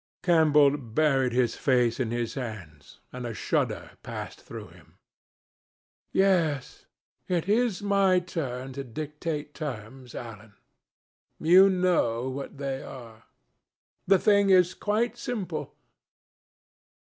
Campbell buried his face in his hands, and a shudder passed through him. "Yes, it is my turn to dictate terms, Alan. You know what they are. The thing is quite simple.